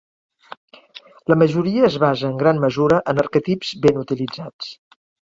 La majoria es basa en gran mesura en arquetips ben utilitzats.